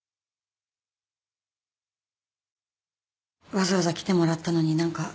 わざわざ来てもらったのに何かすいません。